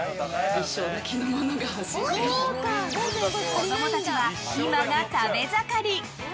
子供たちは今が食べ盛り。